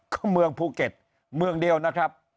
ก็เมืองภูเก็ตเมืองเดียวนะครับ